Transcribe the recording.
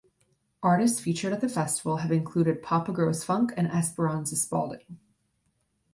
Artists featured at the festival have included Papa Grows Funk and Esperanza Spalding.